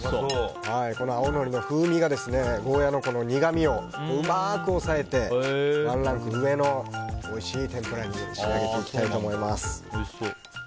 この、青のりの風味がゴーヤーの苦みをうまく抑えてワンランク上のおいしい天ぷらに仕上げていきたいと思います。